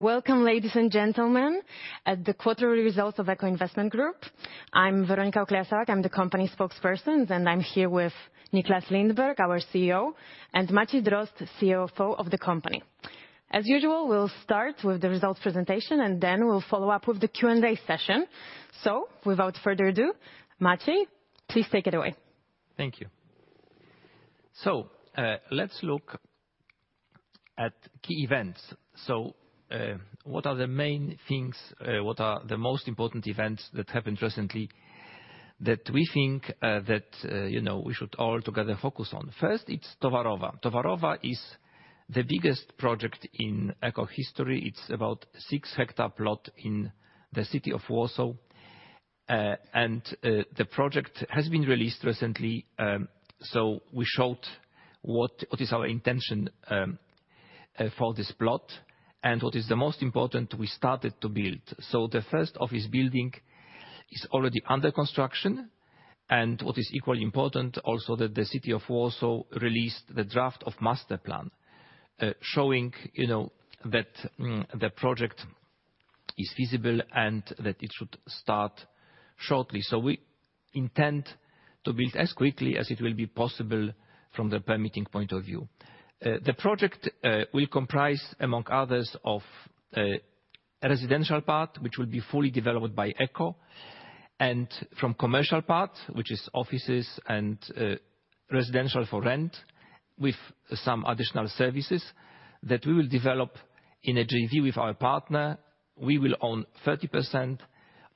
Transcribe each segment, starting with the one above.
Welcome, ladies and gentlemen, at the quarterly results of Echo Investment Group. I'm Weronika Ukleja, I'm the company Spokesperson, and I'm here with Nicklas Lindberg, our CEO, and Maciej Drozd, CFO of the company. As usual, we'll start with the results presentation, and then we'll follow up with the Q&A session. Without further ado, Maciej, please take it away. Thank you. Let's look at key events. What are the main things, what are the most important events that happened recently that we think, that, you know, we should all together focus on? First, it's Towarowa is the biggest project in Echo history. It's about six hectare plot in the city of Warsaw, and the project has been released recently, we showed what is our intention for this plot, and what is the most important, we started to build. The first office building is already under construction, and what is equally important also, that the city of Warsaw released the draft of Master Plan, showing, you know, that, the project is feasible and that it should start shortly. We intend to build as quickly as it will be possible from the permitting point of view. The project will comprise, among others, of a residential part, which will be fully developed by Echo, and from commercial part, which is offices and residential for rent, with some additional services that we will develop in a JV with our partner. We will own 30%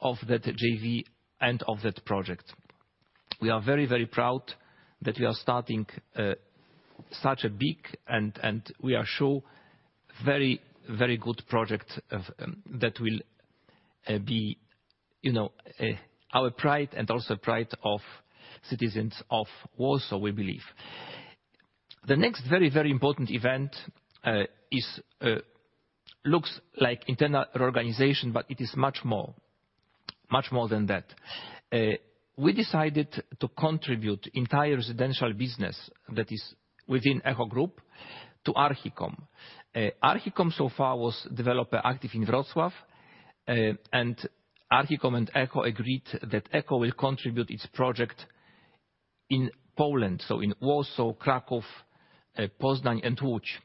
of that JV and of that project. We are very proud that we are starting such a big and we are sure very good project of that will be, you know, our pride and also pride of citizens of Warsaw, we believe. The next very important event looks like internal reorganization, but it is much more than that. We decided to contribute entire residential business that is within Echo Group to Archicom. So far was developer active in Wrocław. Archicom and Echo agreed that Echo will contribute its project in Poland, so in Warsaw, Kraków, Poznań, and Łódź.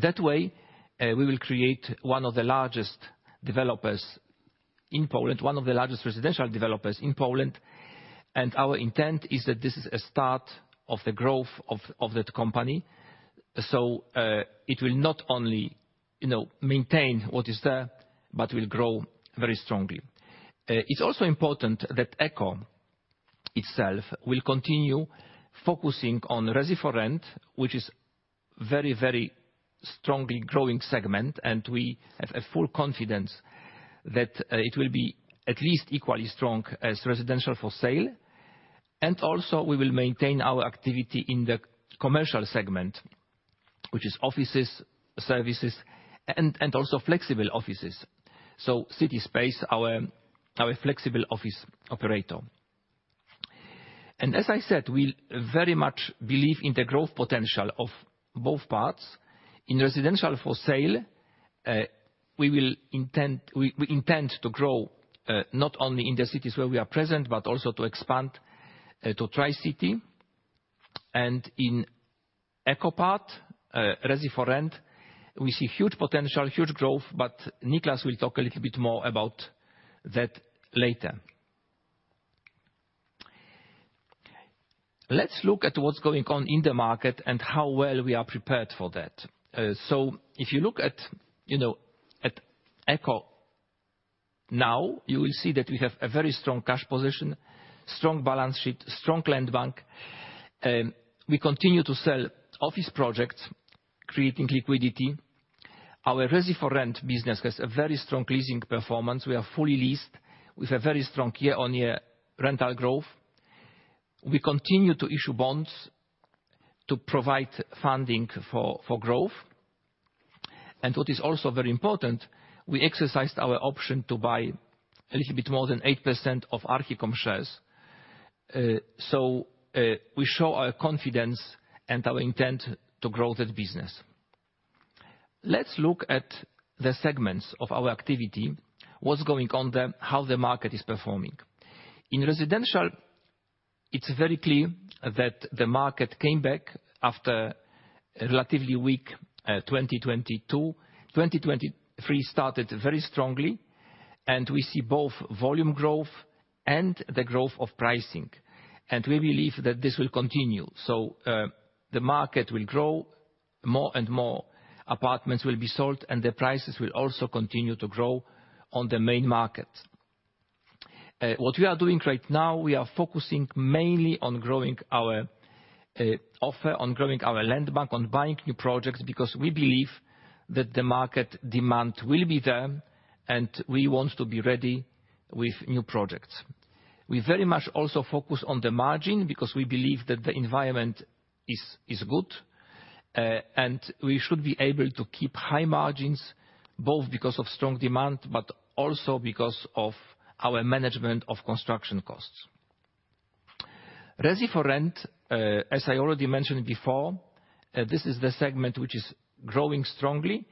That way, we will create one of the largest developers in Poland, one of the largest residential developers in Poland. Our intent is that this is a start of the growth of that company. It will not only, you know, maintain what is there, but will grow very strongly. It's also important that Echo itself will continue focusing on resi for rent, which is very, very strongly growing segment, and we have a full confidence that it will be at least equally strong as residential for sale. Also, we will maintain our activity in the commercial segment, which is offices, services, and also flexible offices. CitySpace, our flexible office operator. As I said, we very much believe in the growth potential of both parts. In residential for sale, we intend to grow not only in the cities where we are present, but also to expand to Tri-City. In Echo part, resi for rent, we see huge potential, huge growth, but Nicklas will talk a little bit more about that later. Let's look at what's going on in the market and how well we are prepared for that. If you look at, you know, at Echo now, you will see that we have a very strong cash position, strong balance sheet, strong land bank. We continue to sell office projects, creating liquidity. Our resi for rent business has a very strong leasing performance. We are fully leased, with a very strong year-on-year rental growth. We continue to issue bonds to provide funding for growth. What is also very important, we exercised our option to buy a little bit more than 8% of Archicom shares. We show our confidence and our intent to grow that business. Let's look at the segments of our activity, what's going on there, how the market is performing. In residential, it's very clear that the market came back after a relatively weak 2022. 2023 started very strongly, and we see both volume growth and the growth of pricing, and we believe that this will continue. The market will grow, more and more apartments will be sold, and the prices will also continue to grow on the main market. What we are doing right now, we are focusing mainly on growing our offer, on growing our land bank, on buying new projects, because we believe that the market demand will be there, and we want to be ready with new projects. We very much also focus on the margin, because we believe that the environment is good, and we should be able to keep high margins, both because of strong demand, but also because of our management of construction costs. Resi for rent, as I already mentioned before, this is the segment which is growing strongly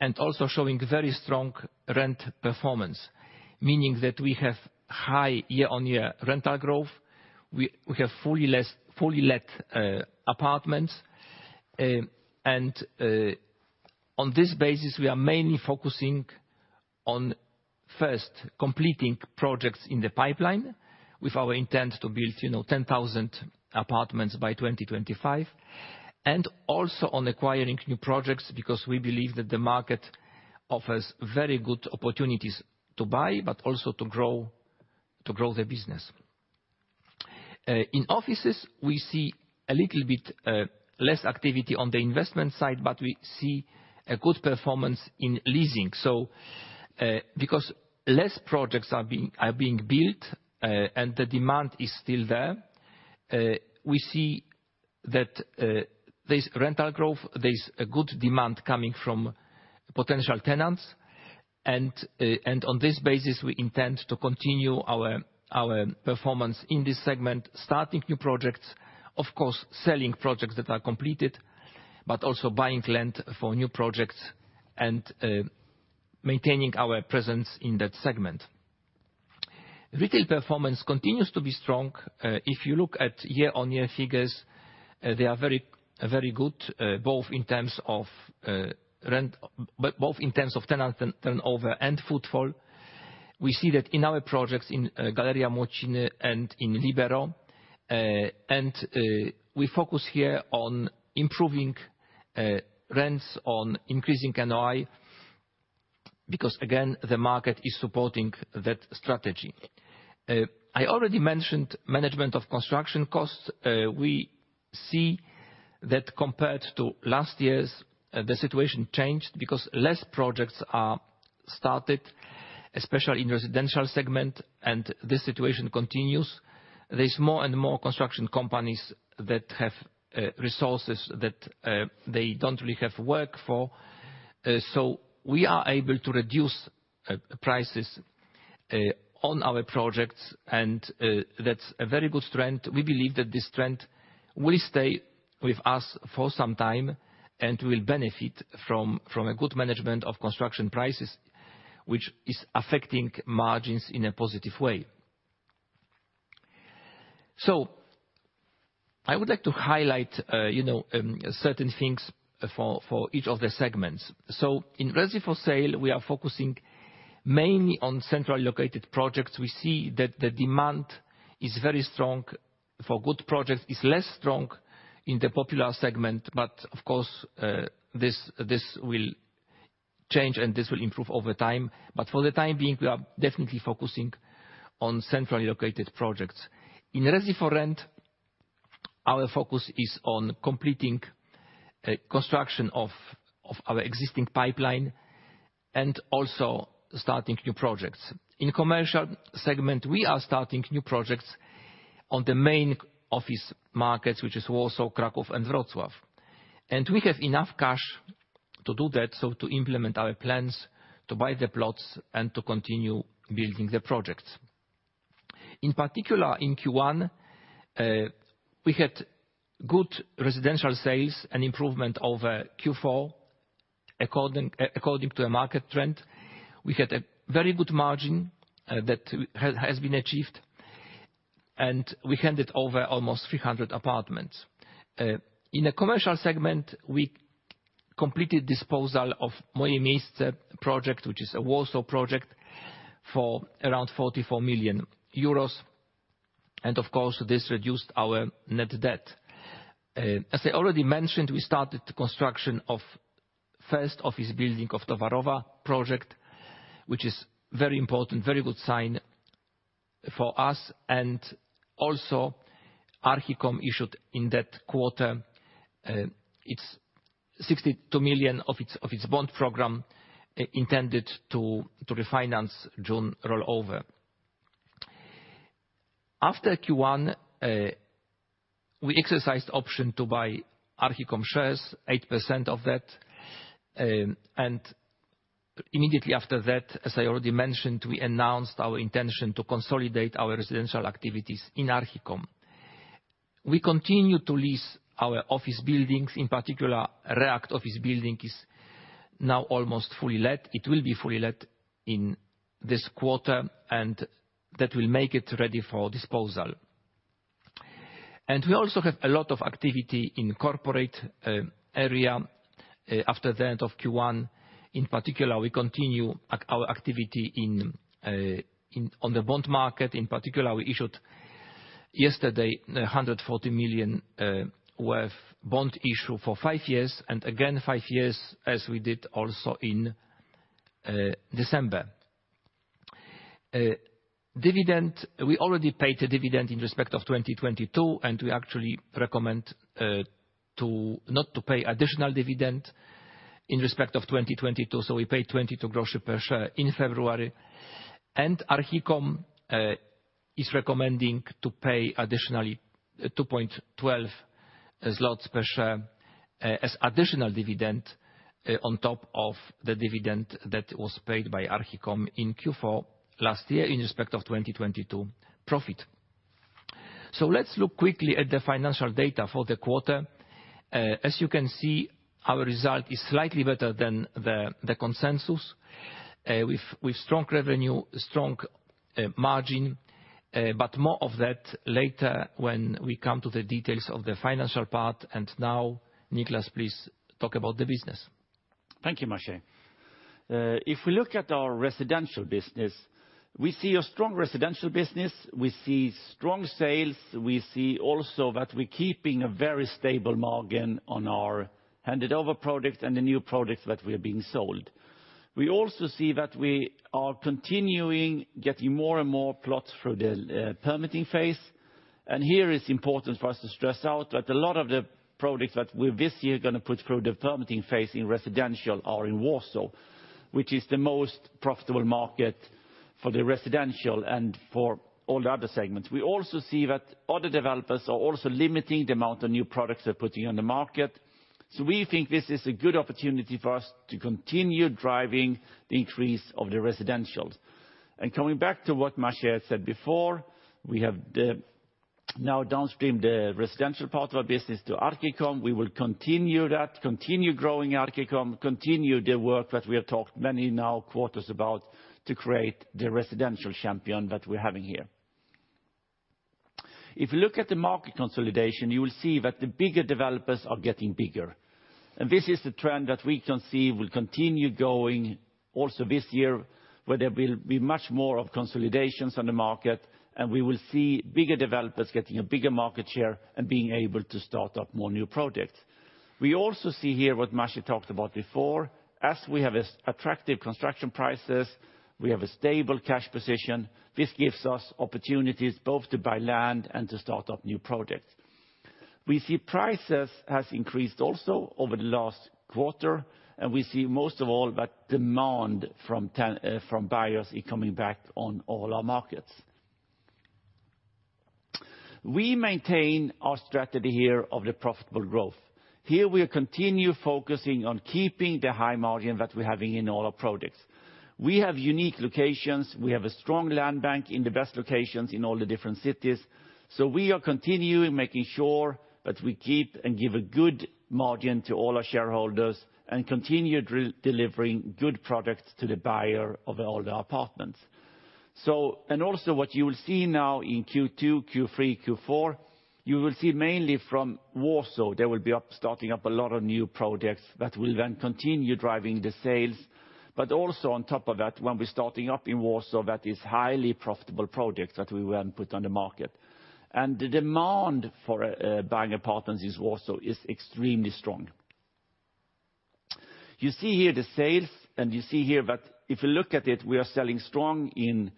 and also showing very strong rent performance. Meaning that we have high year-on-year rental growth, we have fully let apartments. On this basis, we are mainly focusing on first, completing projects in the pipeline with our intent to build, you know, 10,000 apartments by 2025, and also on acquiring new projects, because we believe that the market offers very good opportunities to buy, but also to grow the business. In offices, we see a little bit less activity on the investment side, but we see a good performance in leasing. Because less projects are being built, and the demand is still there, we see that there's rental growth, there's a good demand coming from potential tenants. On this basis, we intend to continue our performance in this segment, starting new projects, of course, selling projects that are completed, but also buying land for new projects and maintaining our presence in that segment. Retail performance continues to be strong. If you look at year-on-year figures, they are very, very good, both in terms of rent, both in terms of tenant turnover and footfall. We see that in our projects in Galeria Młociny and in Libero. We focus here on improving rents, on increasing NOI, because, again, the market is supporting that strategy. I already mentioned management of construction costs. We see that compared to last year's, the situation changed because less projects are started, especially in residential segment, and this situation continues. There's more and more construction companies that have resources that they don't really have work for. We are able to reduce prices on our projects, and that's a very good trend. We believe that this trend will stay with us for some time, and we'll benefit from a good management of construction prices, which is affecting margins in a positive way. I would like to highlight, you know, certain things for each of the segments. In resi for sale, we are focusing mainly on centrally located projects. We see that the demand is very strong for good projects, is less strong in the popular segment, but of course, this will change, and this will improve over time. For the time being, we are definitely focusing on centrally located projects. In resi for rent, our focus is on completing construction of our existing pipeline and also starting new projects. In commercial segment, we are starting new projects on the main office markets, which is also Kraków and Wrocław. We have enough cash to do that, so to implement our plans, to buy the plots, and to continue building the projects. Q1, we had good residential sales and improvement over Q4, according to the market trend. We had a very good margin that has been achieved, and we handed over almost 300 apartments. In the commercial segment, we completed disposal of My Place project, which is a Warsaw project, for around 44 million euros, and of course, this reduced our net debt. As I already mentioned, we started the construction of first office building of Towarowa project, which is very important, very good sign for us. Archicom issued in that quarter its 62 million of its bond program, intended to refinance June rollover. After Q1, we exercised option to buy Archicom shares, 8% of that. Immediately after that, as I already mentioned, we announced our intention to consolidate our residential activities in Archicom. We continue to lease our office buildings, in particular, React office building is now almost fully let. It will be fully let in this quarter, and that will make it ready for disposal. We also have a lot of activity in corporate area after the end of Q1. In particular, we continue at our activity on the bond market. In particular, we issued yesterday 140 million with bond issue for five years, and again, five years, as we did also in December. Dividend, we already paid a dividend in respect of 2022, and we actually recommend not to pay additional dividend in respect of 2022, so we paid 22 groszy per share in February. Archicom is recommending to pay additionally 2.12 zlotys per share as additional dividend on top of the dividend that was paid by Archicom in Q4 last year in respect of 2022 profit. Let's look quickly at the financial data for the quarter. As you can see, our result is slightly better than the consensus with strong revenue, strong margin. More of that later when we come to the details of the financial part, and now Nicklas, please talk about the business. Thank you, Maciej. If we look at our residential business, we see a strong residential business. We see strong sales. We see also that we're keeping a very stable margin on our handed-over products and the new products that were being sold. We also see that we are continuing getting more and more plots through the permitting phase. Here, it's important for us to stress out that a lot of the products that we're this year gonna put through the permitting phase in residential are in Warsaw, which is the most profitable market for the residential and for all the other segments. We also see that other developers are also limiting the amount of new products they're putting on the market. We think this is a good opportunity for us to continue driving the increase of the residentials. Coming back to what Maciej had said before, we have the, now downstream the residential part of our business to Archicom. We will continue that, continue growing Archicom, continue the work that we have talked many now quarters about to create the residential champion that we're having here. If you look at the market consolidation, you will see that the bigger developers are getting bigger, and this is the trend that we can see will continue going also this year, where there will be much more of consolidations on the market, and we will see bigger developers getting a bigger market share and being able to start up more new projects. We also see here what Maciej talked about before. As we have attractive construction prices, we have a stable cash position. This gives us opportunities both to buy land and to start up new projects. We see prices has increased also over the last quarter. We see most of all that demand from buyers is coming back on all our markets. We maintain our strategy here of the profitable growth. Here, we'll continue focusing on keeping the high margin that we're having in all our products. We have unique locations. We have a strong land bank in the best locations in all the different cities. We are continuing making sure that we keep and give a good margin to all our shareholders and continue delivering good products to the buyer of all the apartments. Also what you will see now in Q2, Q3, Q4, you will see mainly from Warsaw, starting up a lot of new projects that will then continue driving the sales. Also on top of that, when we're starting up in Warsaw, that is highly profitable projects that we will then put on the market. The demand for buying apartments in Warsaw is extremely strong. You see here the sales, and you see here that if you look at it, we are selling strong in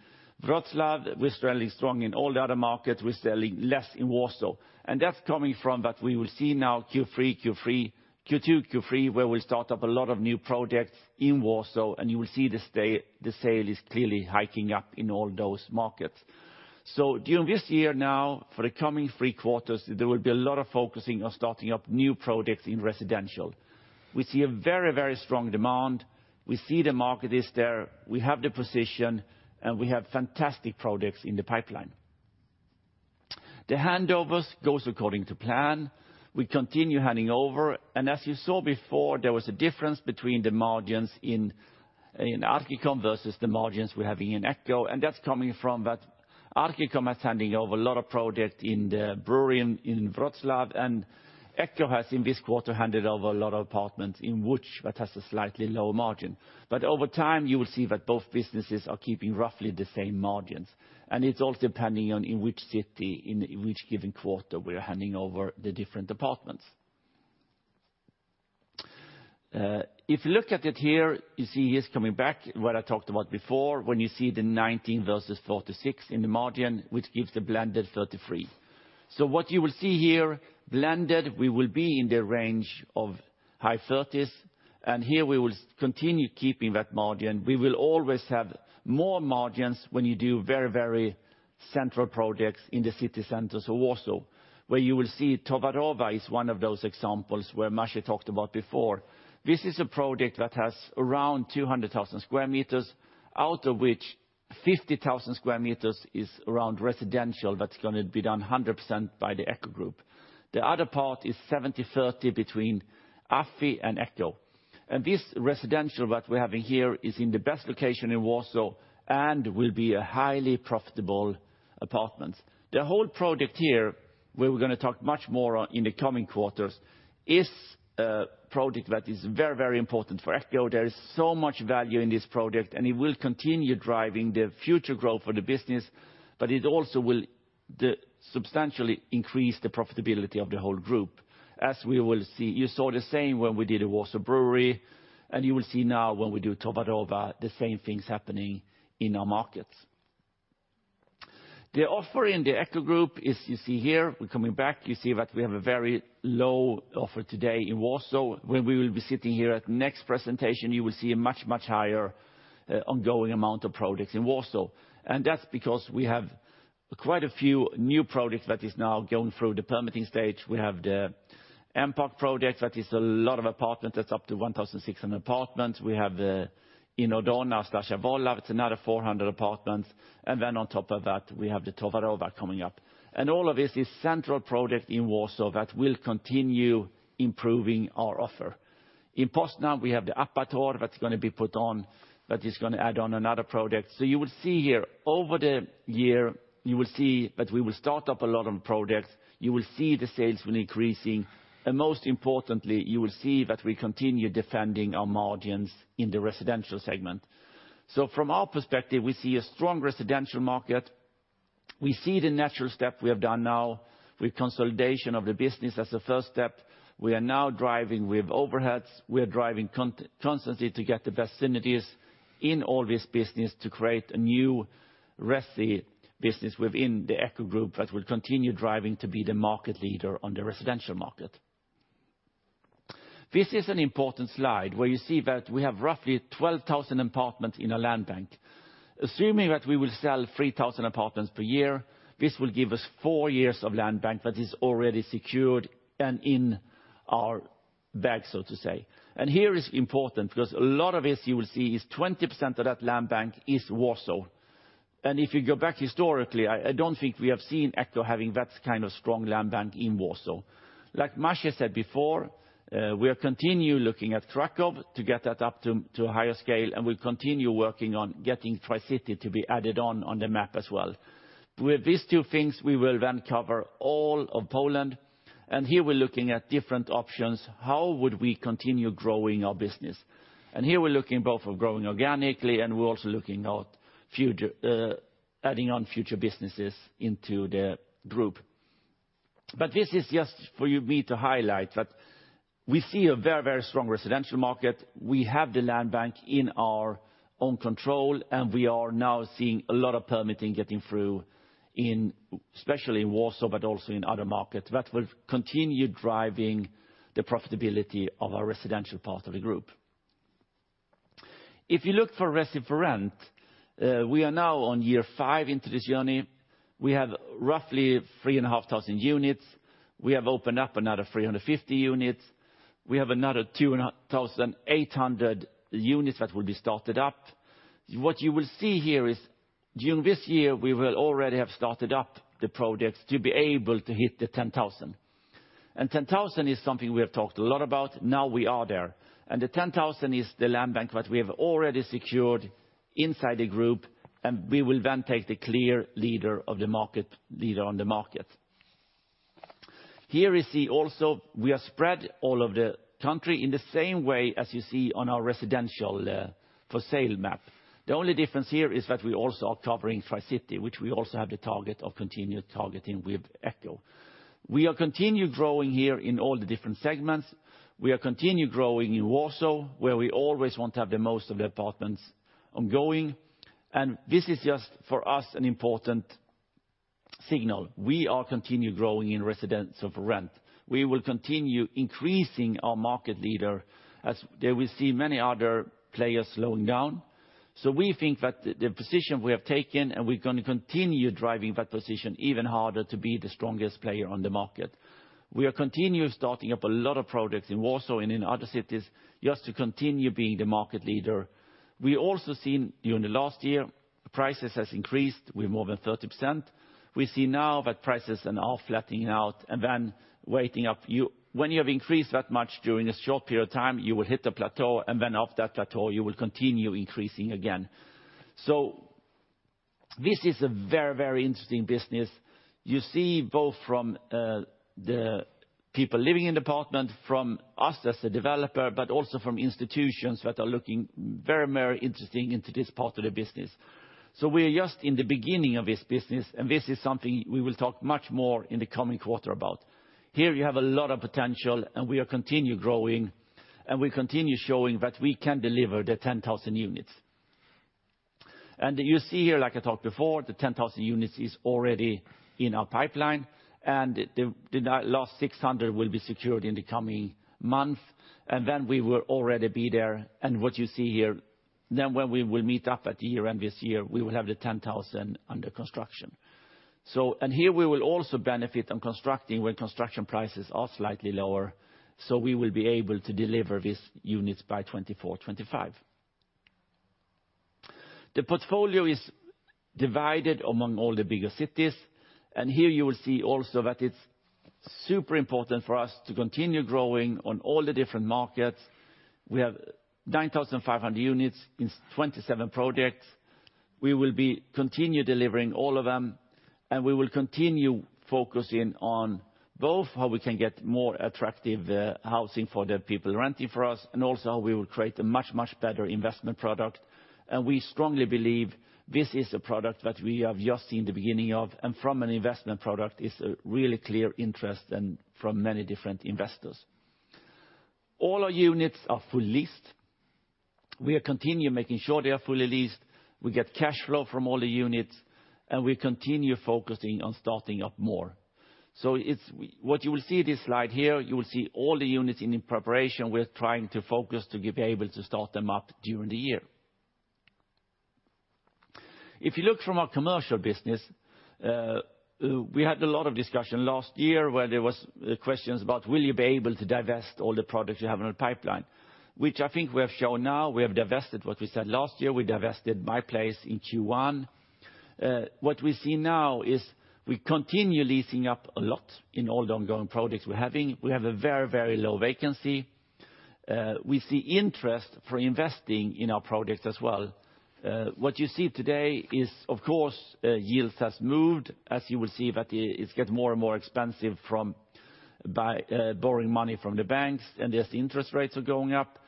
Wroclaw. We're selling strong in all the other markets. We're selling less in Warsaw, that's coming from. We will see now Q3, Q2, Q3, where we'll start up a lot of new projects in Warsaw, and you will see the sale is clearly hiking up in all those markets. During this year now, for the coming three quarters, there will be a lot of focusing on starting up new projects in residential. We see a very, very strong demand. We see the market is there. We have the position, and we have fantastic products in the pipeline. The handovers goes according to plan. We continue handing over, and as you saw before, there was a difference between the margins in Archicom versus the margins we're having in Echo, and that's coming from that Archicom is handing over a lot of product in the brewery in Wrocław, and Echo has, in this quarter, handed over a lot of apartments in which that has a slightly lower margin. Over time, you will see that both businesses are keeping roughly the same margins, and it's also depending on in which city, in which given quarter we're handing over the different apartments. If you look at it here, you see it's coming back, what I talked about before, when you see the 19% versus 46% in the margin, which gives the blended 33%. What you will see here, blended, we will be in the range of high thirties, and here we will continue keeping that margin. We will always have more margins when you do very, very central projects in the city centers of Warsaw, where you will see Towarowa is one of those examples where Maciej talked about before. This is a project that has around 200,000 square meters, out of which 50,000 square meters is around residential. That's gonna be done 100% by the Echo group. The other part is 70-30 between AFI and Echo. This residential that we're having here is in the best location in Warsaw and will be a highly profitable apartment. The whole project here, where we're gonna talk much more on in the coming quarters, is a project that is very, very important for Echo. There is so much value in this project, it will continue driving the future growth for the business, it also will substantially increase the profitability of the whole Group, as we will see. You saw the same when we did the Warsaw Brewery, you will see now when we do Towarowa, the same thing's happening in our markets. The offer in the Echo Group is you see here. We're coming back. You see that we have a very low offer today in Warsaw. When we will be sitting here at next presentation, you will see a much, much higher ongoing amount of projects in Warsaw, that's because we have quite a few new projects that is now going through the permitting stage. We have the M-Park project. That is a lot of apartment. That's up to 1,600 apartments. We have in Odolany, Służewiec, Wola. It's another 400 apartments, and then on top of that, we have the Towarowa coming up. All of this is central project in Warsaw that will continue improving our offer. In Poznań, we have the Apartamenty Esencja that's gonna be put on, that is gonna add on another project. You will see here, over the year, you will see that we will start up a lot of projects. You will see the sales will increasing, and most importantly, you will see that we continue defending our margins in the residential segment. From our perspective, we see a strong residential market. We see the natural step we have done now with consolidation of the business as a first step. We are now driving with overheads. We are driving constantly to get the best synergies in all this business to create a new resi business within the Echo Group that will continue driving to be the market leader on the residential market. This is an important slide, where you see that we have roughly 12,000 apartments in our land bank. Assuming that we will sell 3,000 apartments per year, this will give us four years of land bank that is already secured and in our bag, so to say. Here is important, because a lot of this, you will see, is 20% of that land bank is Warsaw. If you go back historically, I don't think we have seen Echo having that kind of strong land bank in Warsaw. Like Maciej said before, we are continue looking at Kraków to get that up to a higher scale, and we'll continue working on getting Tri-City to be added on the map as well. With these two things, we will then cover all of Poland. Here we're looking at different options. How would we continue growing our business? Here, we're looking both for growing organically, and we're also looking out future adding on future businesses into the group. This is just for me to highlight, that we see a very, very strong residential market. We have the land bank in our own control, and we are now seeing a lot of permitting getting through especially in Warsaw, but also in other markets, that will continue driving the profitability of our residential part of the group. If you look for resi for rent, we are now on year five into this journey. We have roughly 3,500 units. We have opened up another 350 units. We have another 2,800 units that will be started up. What you will see here is, during this year, we will already have started up the projects to be able to hit the 10,000. 10,000 is something we have talked a lot about. Now, we are there. The 10,000 is the land bank that we have already secured inside the group, and we will then take the clear leader on the market. Here, you see also, we are spread all over the country in the same way as you see on our residential for sale map. The only difference here is that we also are covering Tri-City, which we also have the target of continued targeting with Echo. We are continue growing here in all the different segments. We are continue growing in Warsaw, where we always want to have the most of the apartments ongoing. This is just, for us, an important signal. We are continue growing in resi for rent. We will continue increasing our market leader, as there we see many other players slowing down. We think that the position we have taken, and we're gonna continue driving that position even harder to be the strongest player on the market. We are continue starting up a lot of projects in Warsaw and in other cities, just to continue being the market leader. We also seen, during the last year, prices has increased with more than 30%. We see now that prices are now flattening out and then waiting up. When you have increased that much during a short period of time, you will hit a plateau, and then after that plateau, you will continue increasing again. This is a very, very interesting business. You see both from the people living in the apartment, from us as a developer, but also from institutions that are looking very, very interesting into this part of the business. We are just in the beginning of this business, and this is something we will talk much more in the coming quarter about. Here, you have a lot of potential, and we are continue growing, and we continue showing that we can deliver the 10,000 units. You see here, like I talked before, the 10,000 units is already in our pipeline, and the last 600 will be secured in the coming month, and then we will already be there. What you see here, then when we will meet up at the year-end this year, we will have the 10,000 under construction. Here, we will also benefit on constructing when construction prices are slightly lower, so we will be able to deliver these units by 2024, 2025. The portfolio is divided among all the bigger cities, and here you will see also that it's super important for us to continue growing on all the different markets. We have 9,500 units in 27 projects. We will be continue delivering all of them, and we will continue focusing on both how we can get more attractive housing for the people renting for us, and also how we will create a much, much better investment product. We strongly believe this is a product that we have just seen the beginning of, and from an investment product, it's a really clear interest and from many different investors. All our units are fully leased. We are continue making sure they are fully leased. We get cash flow from all the units, and we continue focusing on starting up more. What you will see in this slide here, you will see all the units in preparation. We're trying to focus to be able to start them up during the year. If you look from our commercial business, we had a lot of discussion last year, where there was questions about: Will you be able to divest all the products you have in the pipeline? I think we have shown now, we have divested what we said last year. We divested My Place in Q1. What we see now is we continue leasing up a lot in all the ongoing projects we're having. We have a very, very low vacancy. We see interest for investing in our projects as well. What you see today is, of course, yields has moved, as you will see, that it's getting more and more expensive from borrowing money from the banks, and as the interest rates are going up.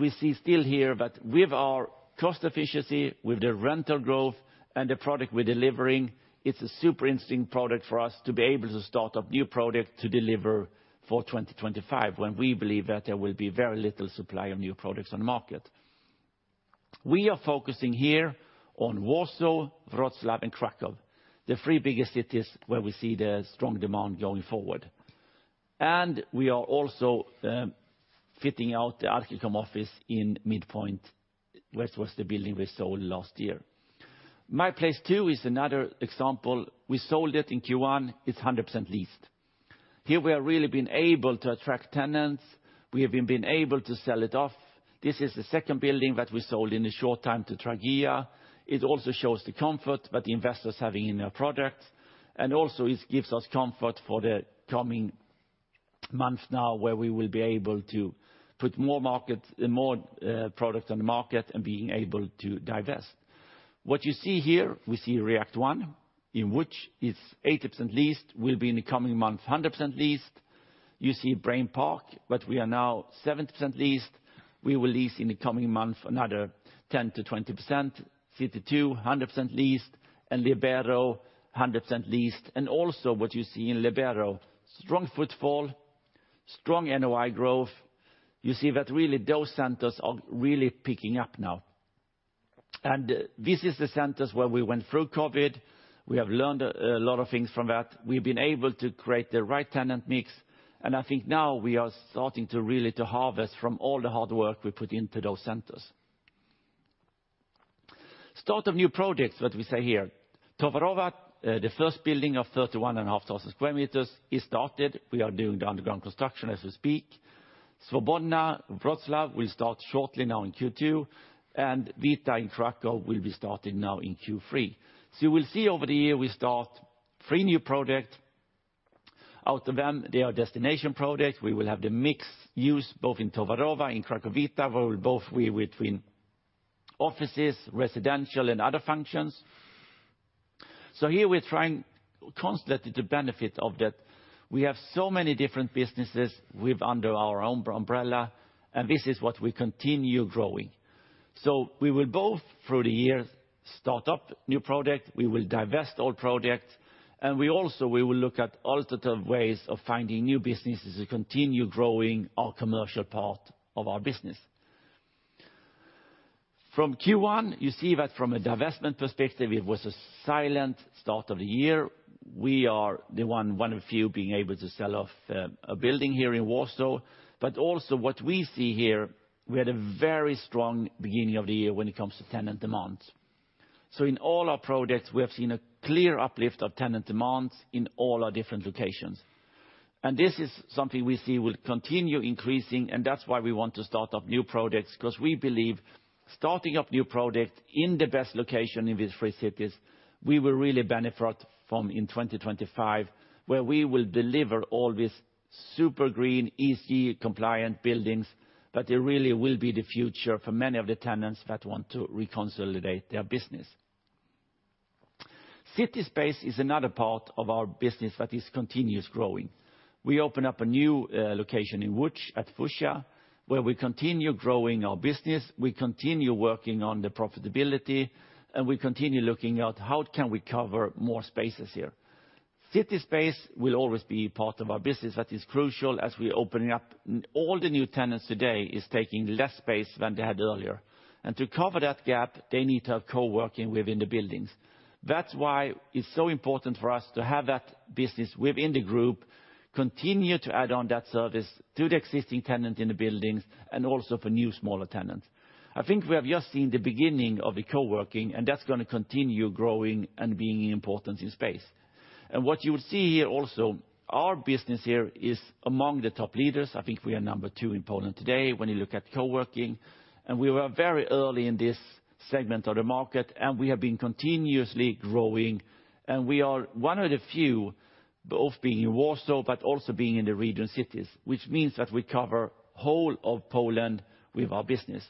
We see still here that with our cost efficiency, with the rental growth, and the product we're delivering, it's a super interesting product for us to be able to start up new product to deliver for 2025, when we believe that there will be very little supply of new products on the market. We are focusing here on Warsaw, Wrocław, and Kraków, the three biggest cities where we see the strong demand going forward. We are also fitting out the Archicom office in Midpoint, which was the building we sold last year. My Place II is another example. We sold it in Q1, it's 100% leased. Here we have really been able to attract tenants. We have been able to sell it off. This is the second building that we sold in a short time to Trigea. It also shows the comfort that the investors having in their product. Also, it gives us comfort for the coming months now, where we will be able to put more product on the market and being able to divest. What you see here, we see React 1, in which is 80% leased, will be in the coming months, 100% leased. You see Brain Park. We are now 70% leased. We will lease in the coming months, another 10%-20%. City 2, 100% leased. Libero, 100% leased. Also, what you see in Libero, strong footfall, strong NOI growth. You see that really, those centers are really picking up now. This is the centers where we went through COVID. We have learned a lot of things from that. We've been able to create the right tenant mix, I think now we are starting to really harvest from all the hard work we put into those centers. Start of new projects that we say here. Towarowa, the first building of 31,500 sq m is started. We are doing the underground construction as we speak. Swoboda, Wrocław, will start shortly now in Q2, WITA in Kraków will be starting now in Q3. You will see over the year, we start three new project. Out of them, they are destination projects. We will have the mixed-use, both in Towarowa, in Kraków WITA, where we'll both be between offices, residential, and other functions. Here we're trying constantly to benefit of that. We have so many different businesses with under our own umbrella, this is what we continue growing. We will both, through the years, start up new projects, we will divest old projects, and we also, we will look at alternative ways of finding new businesses to continue growing our commercial part of our business. From Q1, you see that from a divestment perspective, it was a silent start of the year. We are one of few being able to sell off a building here in Warsaw. Also, what we see here, we had a very strong beginning of the year when it comes to tenant demand. In all our projects, we have seen a clear uplift of tenant demand in all our different locations. This is something we see will continue increasing, and that's why we want to start up new projects, because we believe starting up new projects in the best location in these three cities, we will really benefit from in 2025, where we will deliver all these super green, easy, compliant buildings, that it really will be the future for many of the tenants that want to reconsolidate their business. CitySpace is another part of our business that is continuous growing. We open up a new location in Łódź at Fuzja, where we continue growing our business, we continue working on the profitability, and we continue looking at how can we cover more spaces here. CitySpace will always be part of our business. That is crucial as we're opening up, all the new tenants today is taking less space than they had earlier. To cover that gap, they need to have coworking within the buildings. That's why it's so important for us to have that business within the group, continue to add on that service to the existing tenant in the buildings, and also for new, smaller tenants. I think we have just seen the beginning of the coworking, and that's gonna continue growing and being important in space. What you will see here also, our business here is among the top leaders. I think we are number two in Poland today when you look at coworking, and we were very early in this segment of the market, and we have been continuously growing. We are one of the few, both being in Warsaw, but also being in the regional cities, which means that we cover whole of Poland with our business.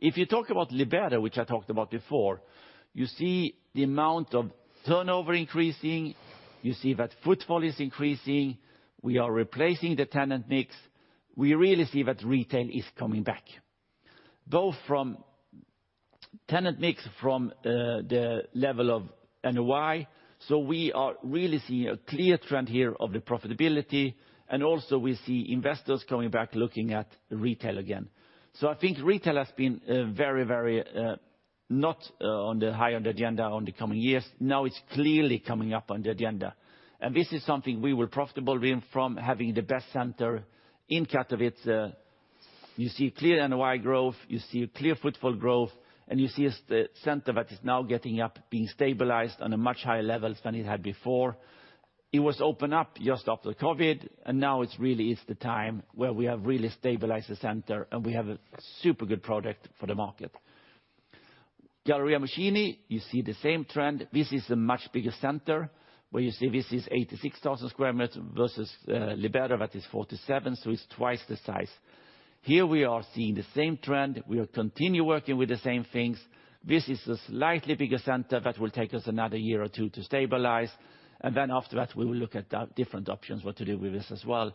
If you talk about Libero, which I talked about before, you see the amount of turnover increasing, you see that footfall is increasing, we are replacing the tenant mix. We really see that retail is coming back, both from tenant mix, from, the level of NOI. We are really seeing a clear trend here of the profitability, and also we see investors coming back, looking at retail again. I think retail has been, very, very, not, on the high on the agenda on the coming years. Now it's clearly coming up on the agenda. This is something we will profitable win from, having the best center in Katowice. You see clear NOI growth, you see clear footfall growth, and you see a center that is now getting up, being stabilized on a much higher level than it had before. ... It was opened up just after COVID, and now it's really is the time where we have really stabilized the center, and we have a super good product for the market. Galeria Młociny, you see the same trend. This is a much bigger center, where you see this is 86,000 sq m versus Libero, that is 47, so it's twice the size. Here we are seeing the same trend. We'll continue working with the same things. This is a slightly bigger center that will take us another year or two to stabilize, and then after that, we will look at different options, what to do with this as well.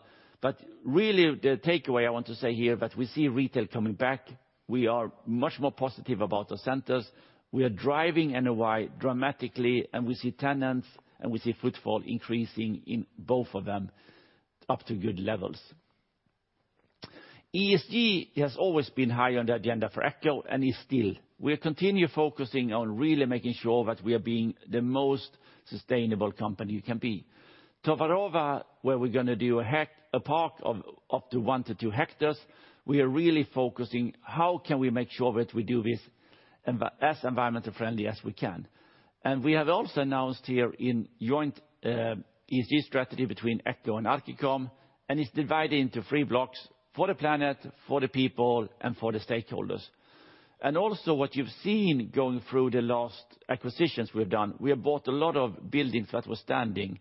Really, the takeaway I want to say here, that we see retail coming back. We are much more positive about the centers. We are driving NOI dramatically, and we see tenants, and we see footfall increasing in both of them up to good levels. ESG has always been high on the agenda for Echo, and is still. We're continue focusing on really making sure that we are being the most sustainable company we can be. Towarowa, where we're gonna do a park of up to one to two hectares, we are really focusing, how can we make sure that we do this as environmental friendly as we can? We have also announced here in joint ESG strategy between Echo and Archicom, and it's divided into three blocks: for the planet, for the people, and for the stakeholders. Also, what you've seen going through the last acquisitions we've done, we have bought a lot of buildings that were standing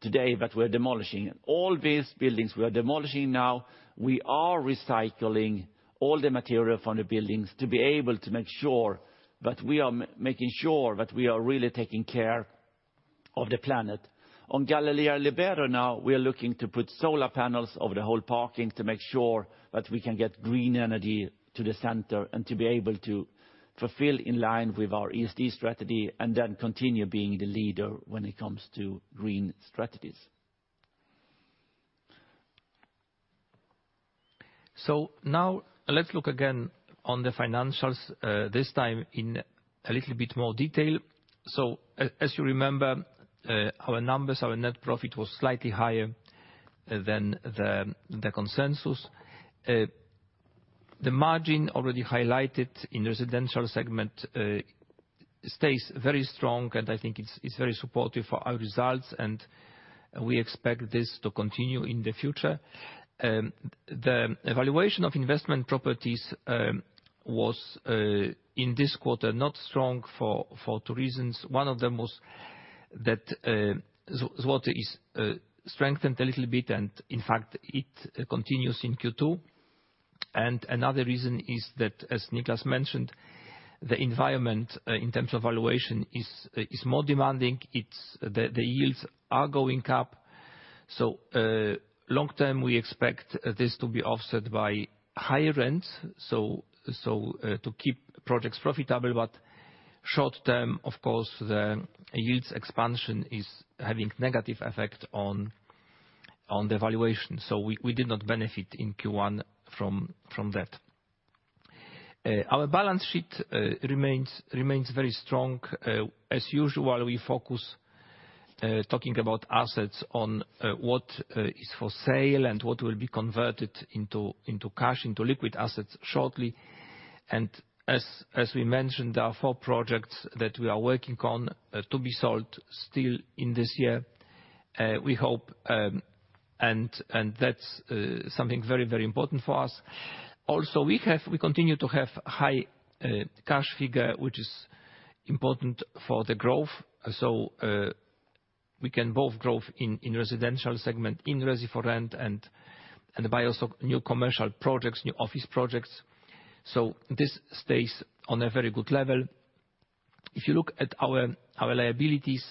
today, that we're demolishing. All these buildings we are demolishing now, we are recycling all the material from the buildings to be able to make sure that we are making sure that we are really taking care of the planet. On Galeria Libero now, we are looking to put solar panels over the whole parking to make sure that we can get green energy to the center, and to be able to fulfill in line with our ESG strategy, and then continue being the leader when it comes to green strategies. Now let's look again on the financials, this time in a little bit more detail. As you remember, our numbers, our net profit was slightly higher than the consensus. The margin already highlighted in residential segment stays very strong, and I think it's very supportive for our results, and we expect this to continue in the future. The evaluation of investment properties was in this quarter not strong for two reasons. One of them was that zloty is strengthened a little bit, and in fact, it continues in Q2. Another reason is that, as Nicklas mentioned, the environment in terms of valuation is more demanding. The yields are going up, so long term, we expect this to be offset by higher rents, to keep projects profitable. Short term, of course, the yields expansion is having negative effect on the valuation. We did not benefit in Q1 from that. Our balance sheet remains very strong. As usual, we focus talking about assets on what is for sale and what will be converted into cash, into liquid assets shortly. As we mentioned, there are four projects that we are working on to be sold still in this year. We hope, and that's something very, very important for us. Also, we continue to have high cash figure, which is important for the growth. We can both growth in residential segment, in resi for rent, and buy also new commercial projects, new office projects, so this stays on a very good level. If you look at our liabilities,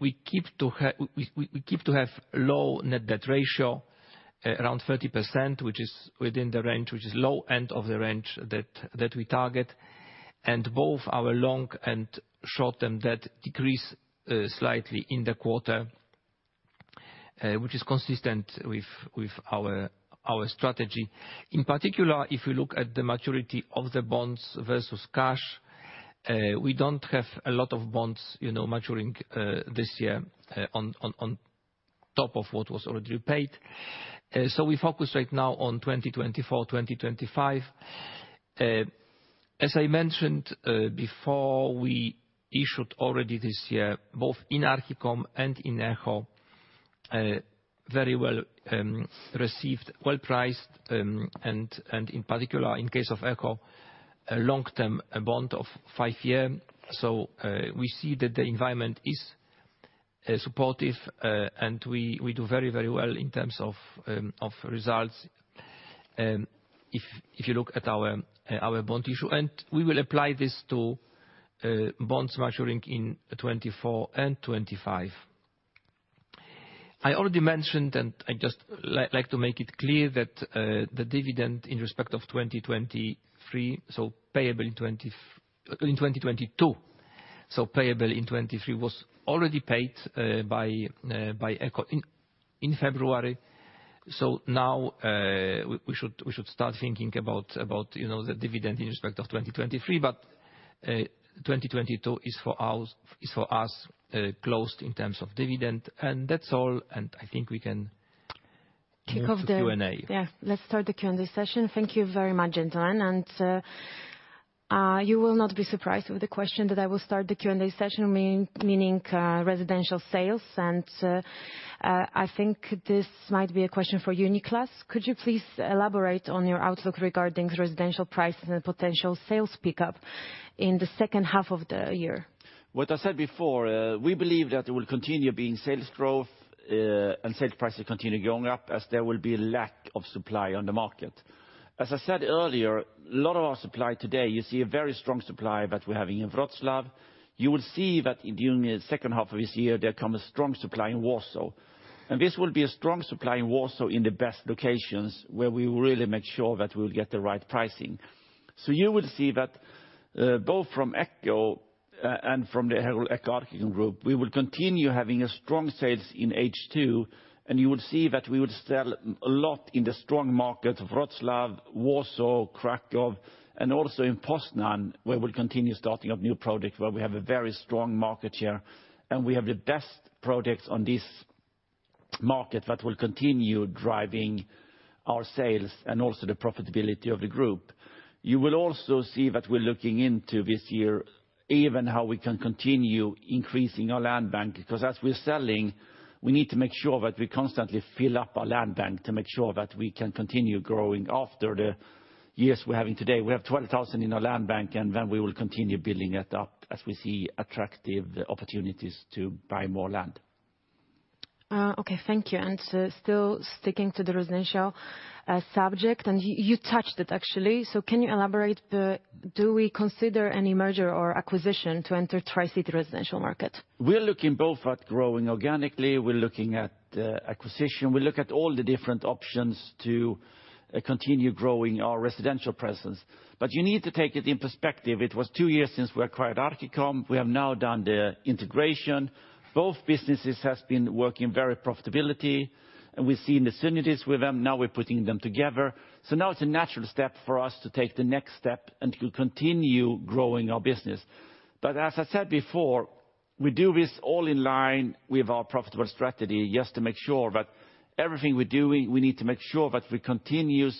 we keep to have low net debt ratio, around 30%, which is within the range, which is low end of the range that we target. Both our long- and short-term debt decrease slightly in the quarter, which is consistent with our strategy. In particular, if you look at the maturity of the bonds versus cash, we don't have a lot of bonds, you know, maturing this year, on top of what was already paid. We focus right now on 2024, 2025. As I mentioned before, we issued already this year, both in Archicom and in Echo, very well received, well-priced, and in particular, in case of Echo, a long-term bond of five year. We see that the environment is supportive and we do very, very well in terms of results if you look at our bond issue. We will apply this to bonds maturing in 2024 and 2025. I already mentioned, I'd just like to make it clear, that the dividend in respect of 2023, so payable in 2022, so payable in 2023, was already paid by Echo in February. Now we should start thinking about, you know, the dividend in respect of 2023. 2022 is for us closed in terms of dividend. That's all, I think we can. ...kick off Q&A. Yeah, let's start the Q&A session. Thank you very much, gentlemen. You will not be surprised with the question that I will start the Q&A session, meaning residential sales. I think this might be a question for Nicklas. Could you please elaborate on your outlook regarding residential price and potential sales pickup in the second half of the year? I said before, we believe that there will continue being sales growth, and sales prices continue going up as there will be lack of supply on the market. I said earlier, a lot of our supply today, you see a very strong supply that we're having in Wrocław. You will see that during the second half of this year, there come a strong supply in Warsaw, and this will be a strong supply in Warsaw, in the best locations, where we really make sure that we'll get the right pricing. You will see that both from Echo, and from the whole Echo Investment Group, we will continue having strong sales in H2, and you will see that we would sell a lot in the strong market of Wrocław, Warsaw, Kraków, and also in Poznań, where we'll continue starting up new products, where we have a very strong market share, and we have the best products on this market that will continue driving our sales and also the profitability of the group. You will also see that we're looking into this year, even how we can continue increasing our land bank, because as we're selling, we need to make sure that we constantly fill up our land bank to make sure that we can continue growing after the years we're having today. We have 12,000 in our land bank, and then we will continue building it up as we see attractive opportunities to buy more land. Okay, thank you. Still sticking to the residential subject, you touched it, actually. Can you elaborate, do we consider any merger or acquisition to enter tri-city residential market? We're looking both at growing organically, we're looking at acquisition. We look at all the different options to continue growing our residential presence. You need to take it in perspective. It was two years since we acquired Archicom. We have now done the integration. Both businesses has been working very profitability, and we've seen the synergies with them. Now we're putting them together. Now it's a natural step for us to take the next step and to continue growing our business. As I said before, we do this all in line with our profitable strategy, just to make sure that everything we're doing, we need to make sure that we continue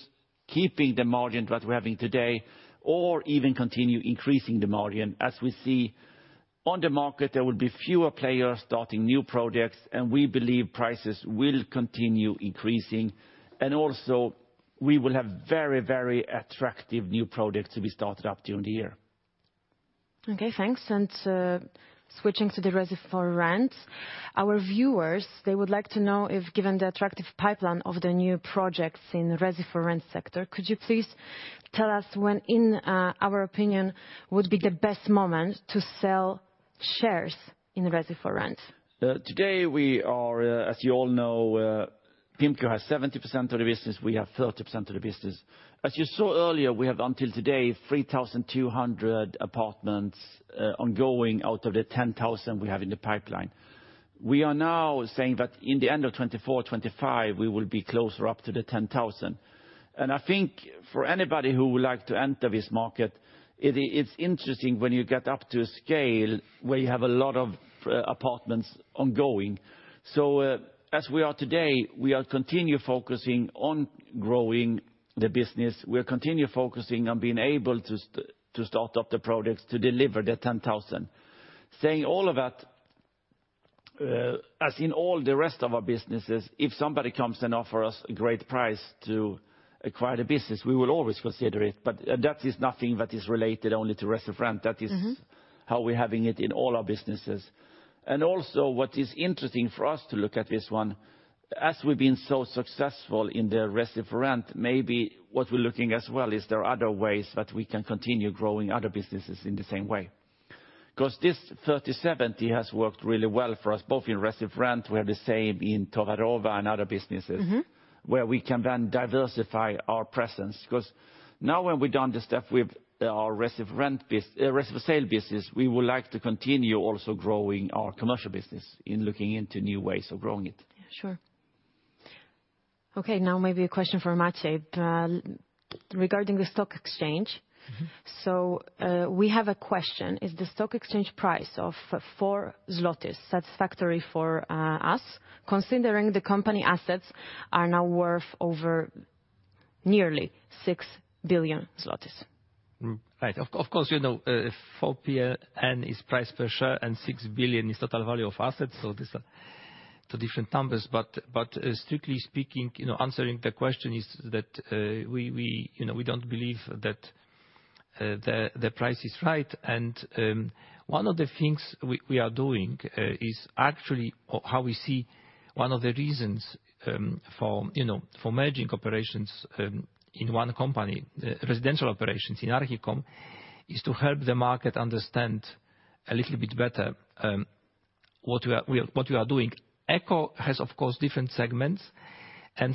keeping the margin that we're having today, or even continue increasing the margin. As we see on the market, there will be fewer players starting new projects, and we believe prices will continue increasing. Also we will have very, very attractive new projects to be started up during the year. Okay, thanks. Switching to the resi for rent. Our viewers, they would like to know if, given the attractive pipeline of the new projects in resi for rent sector, could you please tell us when, in our opinion, would be the best moment to sell shares in resi for rent? Today, we are, as you all know, Pimco has 70% of the business, we have 30% of the business. As you saw earlier, we have, until today, 3,200 apartments, ongoing, out of the 10,000 we have in the pipeline. We are now saying that in the end of 2024, 2025, we will be closer up to the 10,000. I think for anybody who would like to enter this market, it's interesting when you get up to a scale where you have a lot of, apartments ongoing. As we are today, we are continue focusing on growing the business. We are continue focusing on being able to start up the products to deliver the 10,000. Saying all of that, as in all the rest of our businesses, if somebody comes and offer us a great price to acquire the business, we will always consider it. That is nothing that is related only to resi for rent. Mm-hmm. That is how we're having it in all our businesses. Also, what is interesting for us to look at this one, as we've been so successful in the resi for rent, maybe what we're looking as well, is there are other ways that we can continue growing other businesses in the same way? Because this 30/70 has worked really well for us, both in resi for rent, we are the same in Towarowa and other businesses. Mm-hmm ... where we can then diversify our presence. Now when we're done the stuff with our resi for rent resi for sale business, we would like to continue also growing our commercial business in looking into new ways of growing it. Sure. Okay, now maybe a question for Maciej. Regarding the stock exchange- Mm-hmm. We have a question: Is the stock exchange price of PLN four satisfactory for us, considering the company assets are now worth over nearly six billion zlotys? Right. Of course, you know, four PLN is price per share, and six billion is total value of assets, so these are two different numbers. Strictly speaking, you know, answering the question is that we, you know, we don't believe that the price is right. One of the things we are doing is actually how we see one of the reasons for, you know, for merging operations in one company, residential operations in Archicom, is to help the market understand a little bit better what we are doing. Echo has, of course, different segments.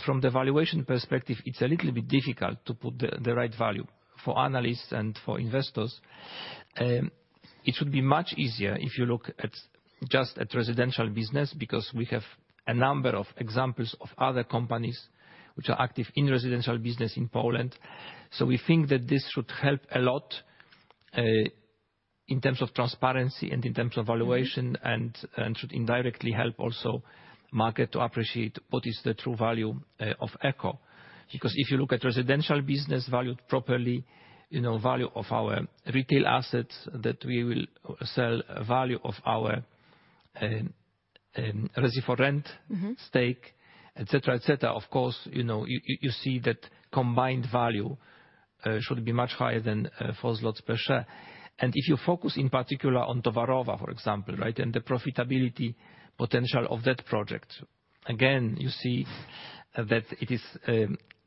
From the valuation perspective, it's a little bit difficult to put the right value for analysts and for investors. It would be much easier if you look at, just at residential business, because we have a number of examples of other companies which are active in residential business in Poland. We think that this should help a lot in terms of transparency and in terms of valuation, and should indirectly help also market to appreciate what is the true value of Echo. If you look at residential business valued properly, you know, value of our retail assets that we will sell, value of our resi for rent- Mm-hmm. -stake, et cetera, et cetera, of course, you know, you see that combined value, should be much higher than, four zlotys per share. If you focus in particular on Towarowa, for example, right? The profitability potential of that project, again, you see that it is,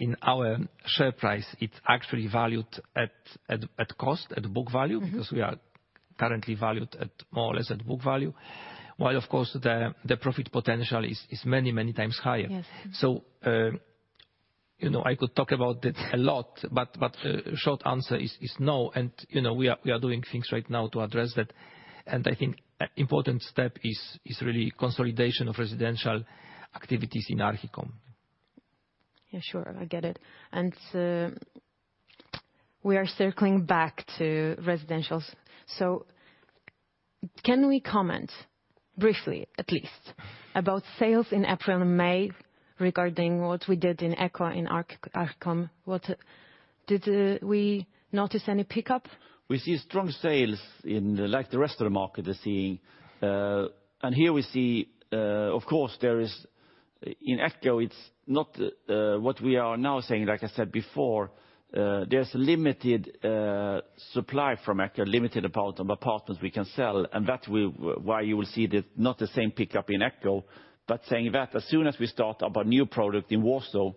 in our share price, it's actually valued at cost, at book value. Mm-hmm. We are currently valued at more or less at book value. While, of course, the profit potential is many, many times higher. Yes. you know, I could talk about it a lot, but, short answer is no. you know, we are doing things right now to address that, and I think important step is really consolidation of residential activities in Archicom. Yeah, sure, I get it. We are circling back to residentials. Can we comment briefly, at least, about sales in April and May, regarding what we did in Echo, in Archicom? Did we notice any pickup? We see strong sales in the like the rest of the market is seeing. Here we see, of course, In Echo, it's not what we are now saying, like I said before, there's limited supply from Echo, limited amount of apartments we can sell, and that will why you will see the, not the same pickup in Echo. Saying that, as soon as we start up a new product in Warsaw,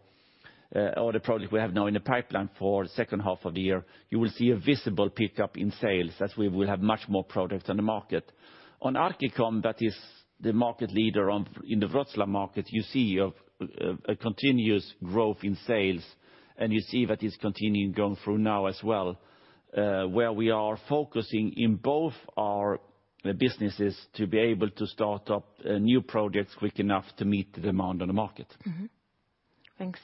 or the product we have now in the pipeline for the second half of the year, you will see a visible pickup in sales, as we will have much more products on the market. Archicom, that is the market leader in the Wrocław market, you see a continuous growth in sales, and you see that it's continuing going through now as well, where we are focusing in both our businesses to be able to start up new projects quick enough to meet the demand on the market. Thanks.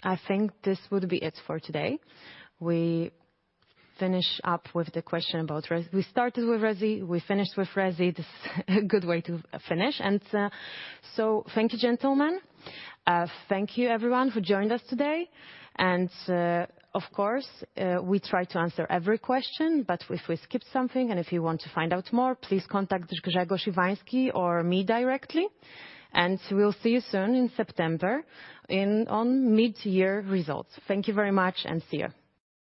I think this would be it for today. We finish up with the question about We started with resi, we finished with resi. This a good way to finish. Thank you, gentlemen. Thank you everyone who joined us today. Of course, we try to answer every question, but if we skipped something, and if you want to find out more, please contact Grzegorz Iwański or me directly, and we'll see you soon in September in, on mid-year results. Thank you very much, see you.